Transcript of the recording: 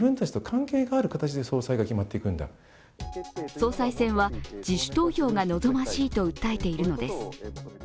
総裁選は、自主投票が望ましいと訴えているのです。